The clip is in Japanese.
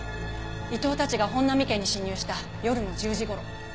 伊藤たちが本並家に侵入した夜の１０時頃。